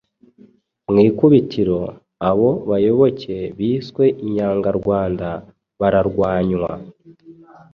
Mw'ikubitiro, abo bayoboke biswe "inyangarwanda" bararwanywa